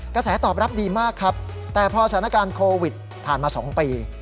กระแสตอบรับดีมากครับแต่พอสถานการณ์โควิดผ่านมา๒ปี